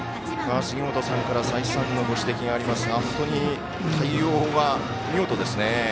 杉本さんから再三のご指摘がありますが本当に対応が見事ですね。